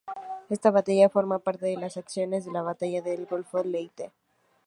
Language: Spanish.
Esta batalla forma parte de las acciones de la batalla del golfo de Leyte.